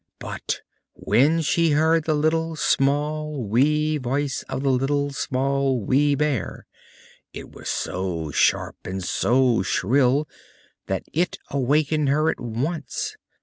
But when she heard the little, small, wee voice of the Little, Small, Wee Bear, it was so sharp, and so shrill, that it awakened her at once.